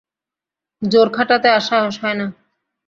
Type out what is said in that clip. জোর খাটাতে আর সাহস হয় না।